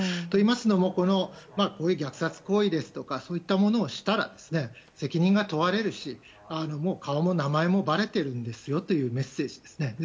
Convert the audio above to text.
といいますのも虐殺行為ですとかそういったものをしたら責任が問われるし、顔も名前もばれてるんですよというメッセージですね。